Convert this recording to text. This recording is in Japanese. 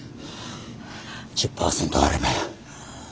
１０％あれば。